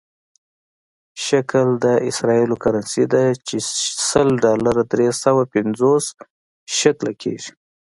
شکل د اسرائیلو کرنسي ده چې سل ډالره درې سوه پنځوس شکله کېږي.